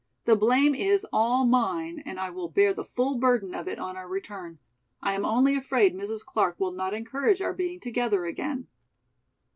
The blame is all mine and I will bear the full burden of it on our return. I am only afraid Mrs. Clark will not encourage our being together again."